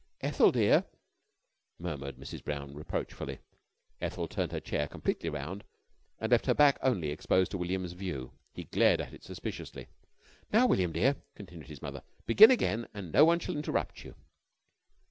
"Ethel, dear!" murmured Mrs. Brown, reproachfully. Ethel turned her chair completely round and left her back only exposed to William's view. He glared at it suspiciously. "Now, William dear," continued his mother, "begin again and no one shall interrupt you."